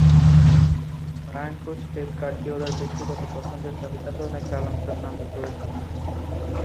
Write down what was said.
Bayern coach Pep গার্দিওলার ব্যক্তিগত পছন্দের তালিকাতেও নাকি আলোনসোর নাম ওপরের দিকেই।